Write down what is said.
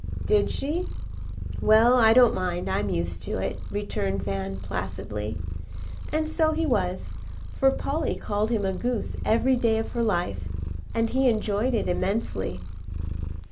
"Did she? Well, I don't mind, I'm used to it," returned Van, placidly; and so he was, for Polly called him a goose every day of her life, and he enjoyed it immensely.